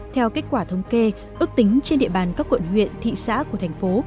theo kết quả thống kê ước tính trên địa bàn các quận huyện thị xã của thành phố